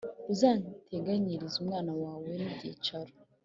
Uzatenganyirize umwana wawe nibyigiciro